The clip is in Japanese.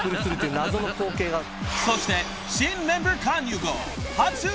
［そして］